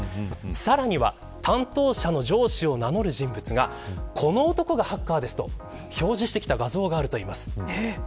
さらには、担当者の上司を名乗る人物がこの男がハッカーです、と表示してきた画像があるといいます。